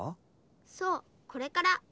そうこれから。